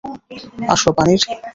আসো, পানির।